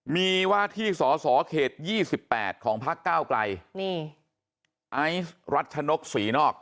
มีว่าที่สอสอเขต๒๘ของพักเก้าไกลนี่ไอซ์รัชนกศรีนอก